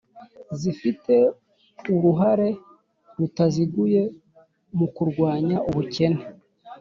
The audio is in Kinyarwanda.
zifite uruhare rutaziguye mu kurwanya ubukene